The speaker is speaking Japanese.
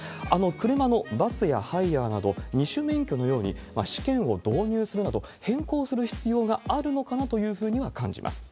車の、バスやハイヤーなど２種免許のように、試験を導入するなど、変更する必要があるのかなというふうには感じます。